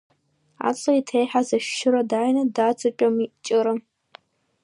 Аҵла еиҭеиҳаз ашәшьыра дааины даҵатәами Ҷыра.